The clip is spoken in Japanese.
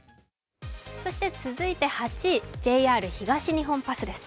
そして続いて８位、ＪＲ東日本パスです。